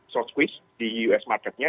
short squeeze di us marketnya